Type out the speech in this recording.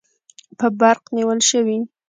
په برق نیول شوي